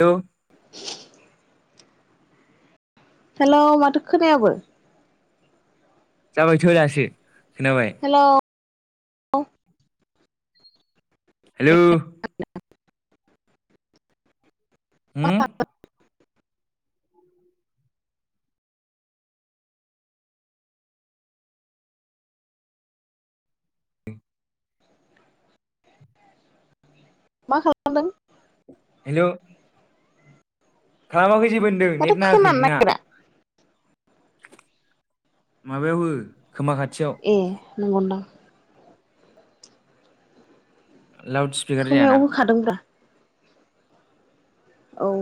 लौ हेल' माथो खोनायाबो? जाबाय थ दासो। खोनाबाय [unintelligible] हेलौ होम [inaudible] मा खालामदों? हेल' खालामाखै जेबो होनदों माथो नेट नांङाखै खोनानो नोंना नागिरा माबायाव हो खोमा खाथियाव ए नंगौदां लाउड स्पिकार जायाना खोमायाव होखादोंब्रा। औ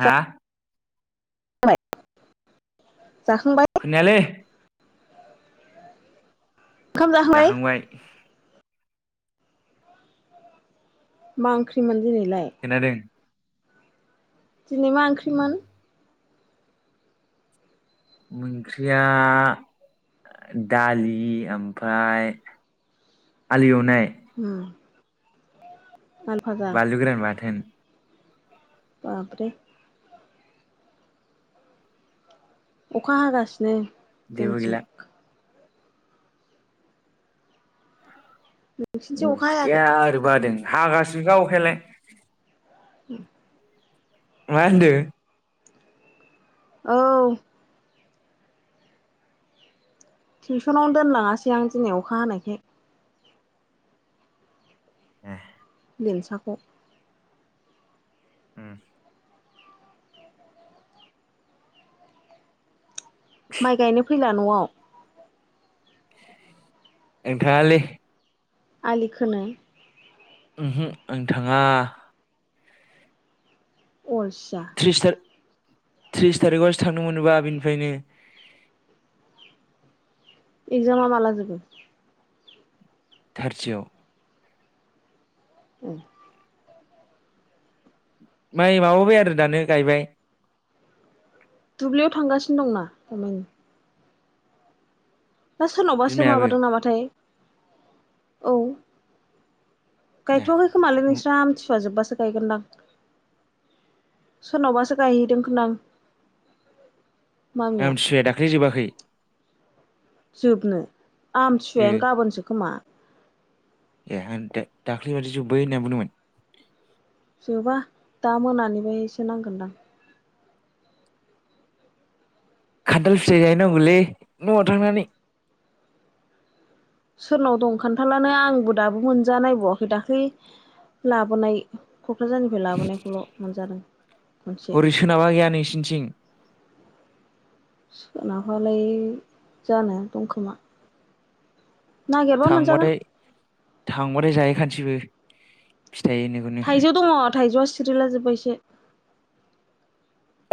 हा? जाबाय जाखांबाय खोनायालै जाखांबाय मा ओंख्रिमोन? दिनैलाय खोनादों दिनै मा ओंख्रिमोन? ओंख्रिया दालि ओमफ्राय आलु एवनाय। उम आलु फाजा बानलु गोरान बाथोन। बाबरे अखा हागासिनो जेबो जोंनिथिं गैला नोंसिनिथिं अखा हायाखै अखाया ओरैबो हादों। हागासिनोखा अखायालाय। उम मा होनदो? औ टिउसनावनो दोनलांङासै आं दिनै अखा हानायखाय। ए लेमसाखौ। उम माइ गायनो फैला न'आव आं थांङालै आलि खोनो उमहो आं थांङा अलसिया त्रिस थारिखआवसो थांनो मोनोबा बिनिफ्रायनो एक्जामा माला जोबगोन? थारतियाव उम माइ माबाबाय आरो दानो गायबाय । दुब्लियाव थांगासिनो दंना थामायनि दा सोरनावबासो बिमायाबो माबादों नामाथाय? औ ए गायथ'वाखै खोमालै नोंस्रा आमथिसुवा जोबबासो। गोनद सोरनावबासो गायहैदों खोनादों। आमथिसुवाया दाख्लि जोबाखै? [inaudible] जोबनो ओ आमथिसुवायानो गाबोनसो खोमा। ए आं दज दाख्लै बादि जोब्बाय होनना बुङोमोन। जोबा दा मोनानिफायसो नांगोनदां। खान्थाल फिथाइ जायहैनांगौलै न'आव थांनानै। सोरनाव दं खान्थालानो आंबो दाबो मोनजानायबावाखै दाख्लै लाबोनाय। क'क्राझारनिफ्राय लाबोनायखौल' मोनजादों मोनसे। हरै सोनाबा गैया नोंसिनिथिं सोनाबालाय जानो दंखोमा। नागिरबा मोनजागोन। थांबाथाय थांबाथाय जाहैखानोसैबो फिथाइनोखौनो थाइजौ दङ थाइजौआ सिरिलाजोबबायसो।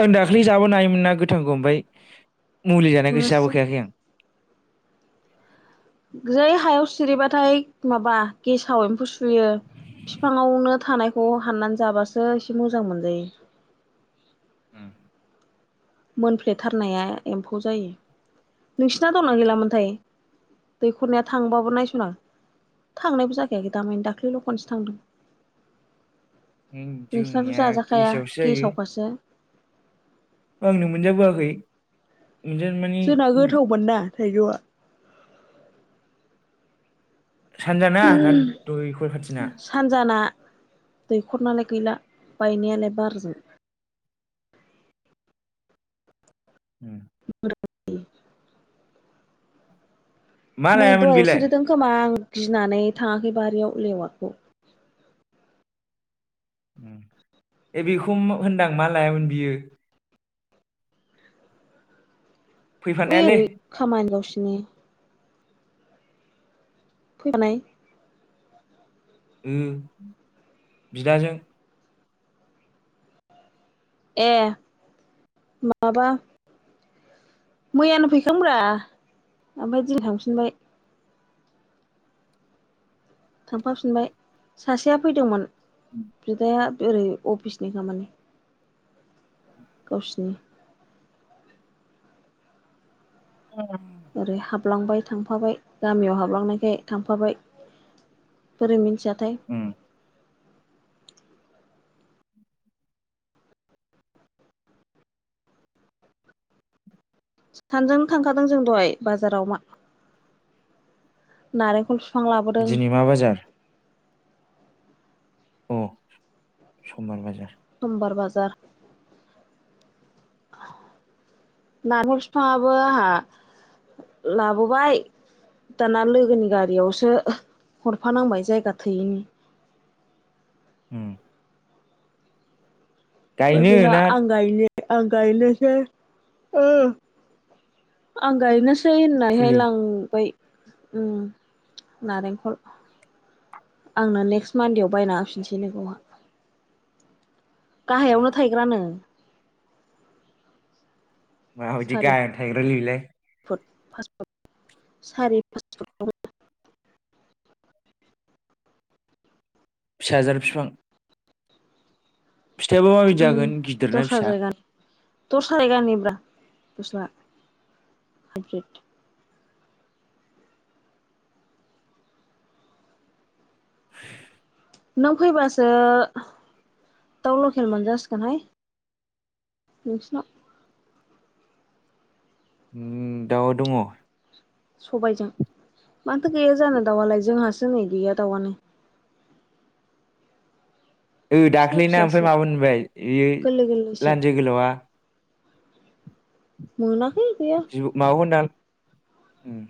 आं दाखालि जाबोनो हायोमोन ना गोथांखौ‌। ओमफ्राय मुलि जानाय गोसो मोनासै जों जाबोखायाखै आं जै हायाव सिरिबाथाय माबा गेसाव एम्फौ सुयो बिफाङावनो थानायखौ हाननानै जाबासो एसे मोजां मोनजायो मोनफ्लेथारनाया एम्फौ जायो नोंसिना दंना गैलामोनथाय दैख'रनिया थांबाबो नायस'ना थांनायबो जाखायाखै दामानि दाख्लैल' खनसो थांदों। आं नोसिनाथ' जोंनिया जाजाखाया गेसावसो जायो गेसावबासो। आंनो मोनजाबोआखै। मोनजानो मानि जोंना गोथावमोन ना थाइजौवा सानजाना ना दय कल खाथिना? दैखरनालाय गैला बायनायालाय बारजो [inaudible] [unintelligible] मा मै लायामोन दहायबो बेलाय सेरिदों खोमा आं गिनानै थाङाखै बारियाव लेवारखौ उम ए बेखौ मा होनदां मा लायामोन बियो? फैफानायालै ने फैफानाय उम बिदाजों ए माबा मैयानो फैखांब्रा ओमफाय दिनि थांफिनबाय। थांफाफिनबाय सासेया फैदोंमोन बिदाया ओरै अफिसनि खामानि गावसिनि अ ओरै हाबलांबाय थांफाबाय गामियाव हाबलांनायखाय थांफाबाय बोरै मिन्थिया थाय उम। सानैजों थांखादों जों दहाय बाजाराव मा नारेंखल बिफां लाबोदों दिनै मा बाजार? अ समबार बाजार समबार बाजार नारखल फिफांआबो आंहा लाबोबाय दाना लोगोनि गारियावसो हरफानांबाय जायगा थोयैनि उम ओमफाय गायनो बेहा ना आं गायनो आं गायनोसै ओ आं गायनोस सै होननानैहाय फुलि लांबाय। उम नारेंखल आंनो नेक्स्ट मान्डेआव बायना होफिनसै नो गावहा गाहायावनो थायग्रानो। मा बायदि सारि गाहायावनो थायग्रालै बिलाय? फुट सारि, पासपुत फिसाजार फिफां फिथायाबो माबायदि उम जागोन गिदिर ना फिसा। दस्रा जायगानि ब्रा दस्रा हाइब्रिद। [inaudible] नों फैबासो दाउ लकेल मोनजासिगोनहाय नोंसिनाव। उम दाउ दङ। सबायजों, मानोथो गैया जानो दाउआलाय जोंहासो नै गैया दाउआनो। ओ फिसा दाख्लैना ओमफ्राय फिसासो मामोन होनबाय बेयो गोरलै गोरलैसो लान्जाय गोलावआ? मोना। जिबौ, माबाखौ होनदां। उम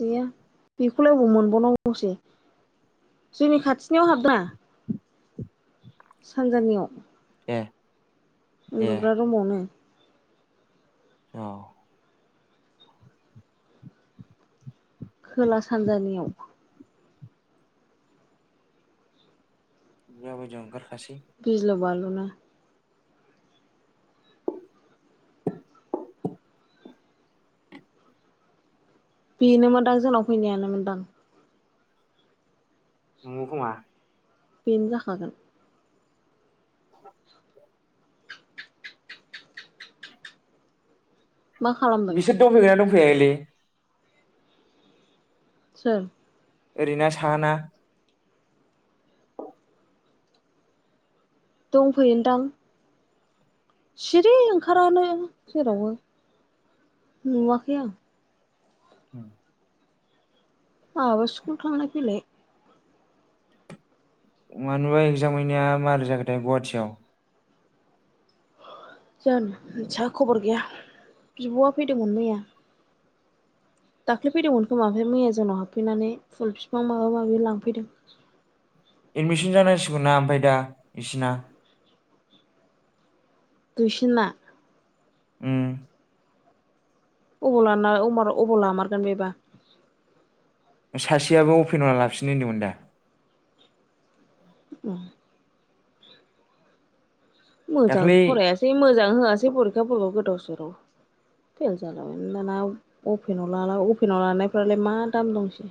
गैया, बेखौलाय ओबाव मोनबावनांगौसै जोंनि खाथिनियाव हाबा? सानजानियाव। ए ए उन्दुग्रा रुमावनो औ। खोला सानजानियाव। [unintelligible] गिलु-बालु। [unintelligible] बेनो मोनदां जोंनाव फैनायानो मोनदां। नोंगौ खोमा। बेनो जाखागोन। [inaudible] मा खालामदों बिसोर दंफैयोना दं [unintelligible] सोर? ओरैना साहाना। दंफैयोनदां सिरि ओंखारालायै जेरावबो नुवाखै आं। उम। आंहाबो स्कुल थांलाय-फैलाय मानिबा एगजाम हैनाया मारै जाखोथाय गुवाहाटियाव? जानो मिथिया खबर गैया बिब'आ फैदोंमोन मैया। दाख्लै फैदोंमोन खोमा ओमफ्राय मैया जोंनाव हाबफैनानै फुल फिफां माबा-माबि लांफैदों। एडमिसन जानांसिगौना ओमफ्राय दा बिसिना। दुइसिनना। उम। अबाव लानो अबाव लामारगोन बेबा? सासेयाबो अपेनाव लाफिननो होनदोंमोन दा। ए। मोजां दाख्लै फरायासै मोजां होआसै फरिखाफोरखौ गोदाव- सोराव। फेल जालाबायनानै दाना अपेनाव लाना अपेनाव लानायफ्रालाय मा दाम दंसै।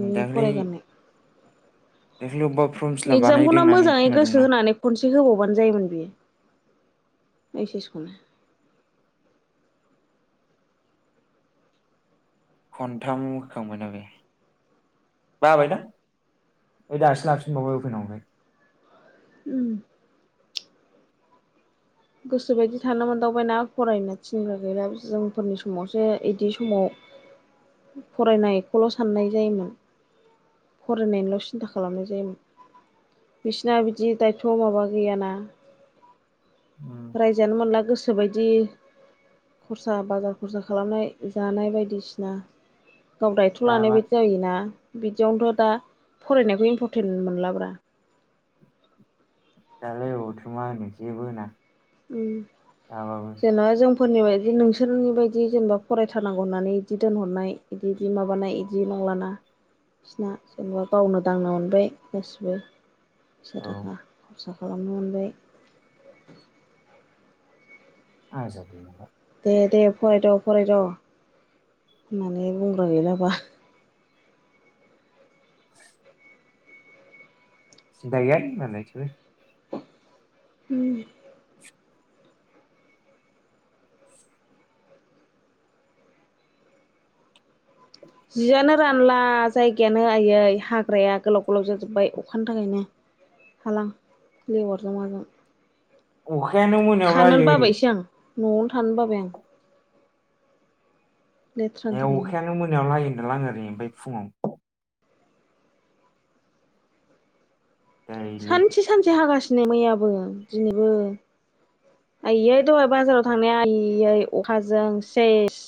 ओम दाख्लै फराय गारनाय। दाख्लै अबा एगजामखौनो मोजाङै गोसो होनानै खनसे होबावबानो जायोमोन बियो। ओइस एस खौनो खनथाम होखांबाय ना बे बाबायदां ओइ दासो लाफिनबावबाय अपेनावनो उम। गोसोबायदि थानो मोनदावबायना फरायनो थिनग्रा गैला जोंफोरनि समावसो इदि समाव फरायनायखौल' साननाय जायोमोन फरायनायनिल' सिन्था खालामनाय जायोमोन बिसिना बिदि दायथ' माबा गैयाना‌। उम रायजानो मोनला गोसो बायदि खरसा बाजार खरसा खालामनाय जानाय बायदिसिना। गाव दायथ' लानाय दाबा बायदि जायोना। बिदियावनोथ' दा फरायनायखौ इम्परटेन्ट मोनलाब्रा। दालाय अबावथो मा होनो जेबो होना। उम दाबाबो जेनबा जों फोरनि बायदि नोंसोरनि बायदि जेनेबा फरायथारनांगौ होननानै बिदि दोनहरनाय इदि दि माबानाय इ दि नंलाना बिसिना जेनेबा गावनो दांनो मोनबाय गासिबो। से औ थाखा। सा खालामनो मोनबाय। आजादि मोनबाय। दे दे फरायद' फरायद' होननानै बुंग्रा गैला बा। सिनता गैयालै मालाय बिसोरो। उम। जियानो रानला जायगायानो आयै हाग्राया गोलाव गोलाव जाजोबबाय अखानि थाखायनो हालां लेवारजों माजों। अखायानो मोनायावल' थानोनो हायो ओरै। बाबायसो आं न'आवनो थानो बाबाय आं। लेथ्रानि ए थाखायनो अखायानो मोनायावल' हायो। [unintelligible] ओरैनिफाय फुंआव। दैलिग सानसे सानसे हागासि नै मैयाबो दिनैबो आइयै दहाय बाजाराव थांनाया आइयै अखाजों सेस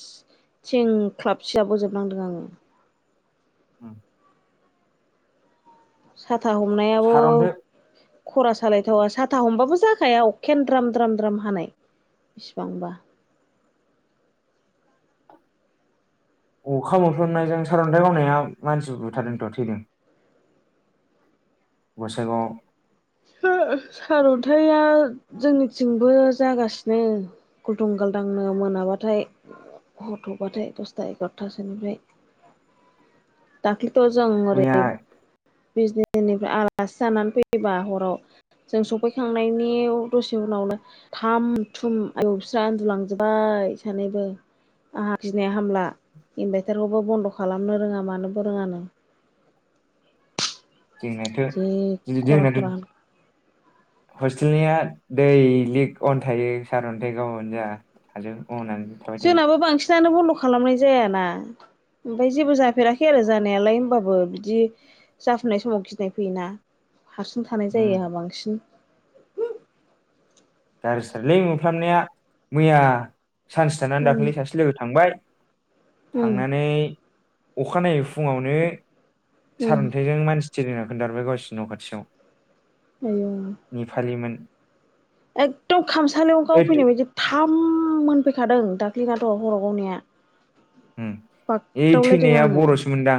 थिंख्लाब सिजाबोजोबनांदों आङो । उम। सात था हमनायाबो सारन्थाइ खरा सालायथावा साथा हमबाबो जाखाया अखायानो द्राम द्राम द्राम हानाय बिसिबांबा। अखा मोफ्लामनायजों सारन्थाइ गावनायाव मानसि बुथारदोंथ' थैदों। गसाइगावाव। [unintelligible] सारअन्थाया जोंनिथिंबो जागासिनो गलदुं गालदांनो मोनाबाथाय हरथौबाथाय दसथा एगार'थासोनिफ्राय। दाक्लि त' जों ओरै मैया बिजनिनिफ्राय आलासि जानानै फैबा हराव जों सफैखांनायनि दसे उनावनो थाम थुम आयौ फिसा उन्दुलांजोब्बाय सानैबो आंहा गिनाया हामला इनभायटारखौबो बन्द खालामनो रोङा मानोबो फोरोङानो। [unintelligible] खरा हस्टेलनिया दै लिक अन थायो सारअन्थाइ गावानो जा थाजों। अ होननानै थाबाय थायो। फिसायानो बन्द खालामनाय जायाना हारसिं थानाय उम जायो आहा बांसिन। गारजि थारलै मोफ्लामनाया मैया। सानसि थानानै उम दाख्लै सासे लोगो थांबाय। उम थांनानै। अखानायै फुङावनो। उम सारन्थाइजों मानसि। सिरिनाया खोन्थाहरबाय गावसिनि न खाथियाव। आयौ नेफालिमोन। एकदम खामसालियाव ओइद गावफैनाय बायदि थाम मोनफैखादों दाग। [unintelligible] थ' हराव गावनाया। उम ओइ बागदावलायदों थैनाया आङो। बर'सोमोनदां।